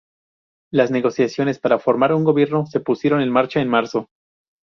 Las negociaciones para formar un gobierno se pusieron en marcha en marzo.